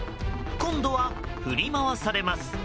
今度は振り回されます。